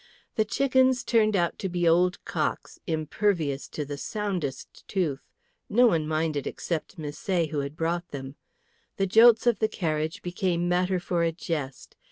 The chickens turned out to be old cocks, impervious to the soundest tooth. No one minded except Misset, who had brought them. The jolts of the carriage became matter for a jest.